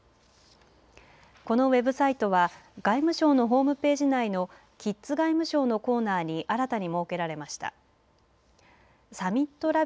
このウェブサイトは外務省のホームページ内のキッズ外務省のコーナーに新たに設けられました。